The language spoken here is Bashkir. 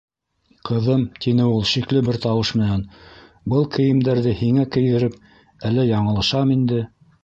Ҡыҙым, - тине ул шикле бер тауыш менән, - был кейемдәрҙе һиңә кейҙереп әллә яңылышам инде?